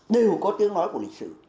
đều có tiếng nói của lịch sử